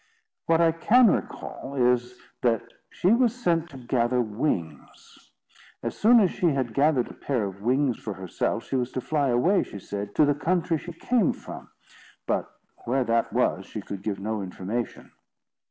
What I can recall is, that she was sent to gather wings. As soon as she had gathered a pair of wings for herself, she was to fly away, she said, to the country she came from; but where that was, she could give no information.